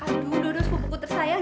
aduh dodo sepupuku tersayang